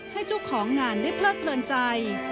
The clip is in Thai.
ให้เจ้าของงานได้เพลิดเพลินใจ